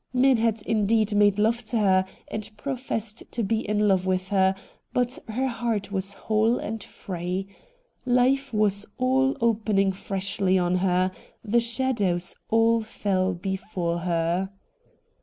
Men had indeed made love to her, and professed to be in love with her, but her heart was whole and free. Life was all opening freshly on her ; the shadows all fell before her.